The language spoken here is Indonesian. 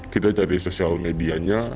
kita cari sosial medianya